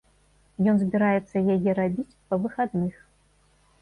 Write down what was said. Ён збіраецца яе рабіць па выхадных.